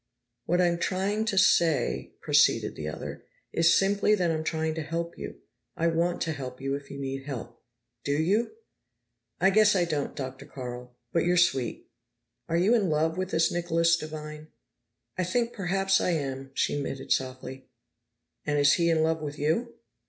"What I'm trying to say," proceeded the other, "is simply that I'm trying to help you. I want to help you, if you need help. Do you?" "I guess I don't, Dr. Carl, but you're sweet." "Are you in love with this Nicholas Devine?" "I think perhaps I am," she admitted softly. "And is he in love with you?"